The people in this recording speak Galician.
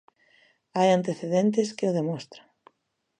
Hai antecedentes que o demostran.